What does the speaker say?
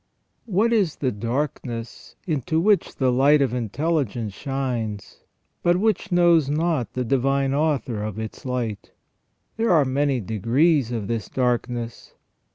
What is the darkness into which the light of intelligence shines but which knows not the Divine Author of its light? There are many degrees of this darkness.